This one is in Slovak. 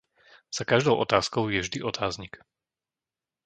Za každou otázkou je vždy otáznik.